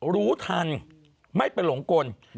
รู้ทันไม่ไปหลงกล